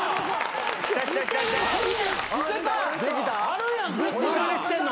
あるやん！